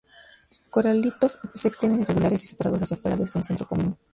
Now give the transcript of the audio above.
Los coralitos se extienden irregulares y separados hacia afuera desde un centro común.